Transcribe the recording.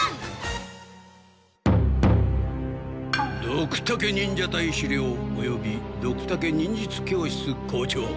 ドクタケ忍者隊首領およびドクタケ忍術教室校長